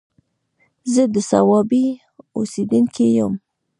زه د صوابۍ اوسيدونکی يم